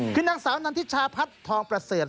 คือนางสาวนันทิชาพัฒน์ทองประเสริฐ